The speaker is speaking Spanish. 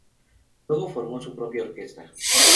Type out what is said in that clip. Luego formó su propia orquesta.